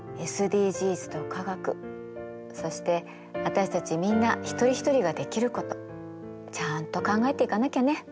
ＳＤＧｓと科学そして私たちみんな一人ひとりができることちゃんと考えていかなきゃね。